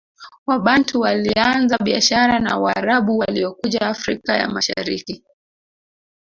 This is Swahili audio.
Wabantu walianza biashara na Waarabu waliokuja Afrika ya Mashariki